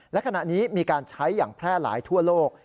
และขณะนี้มีการใช้อย่างแพร่หลายทั่วโลก